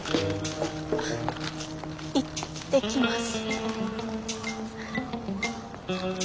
あっ行ってきます。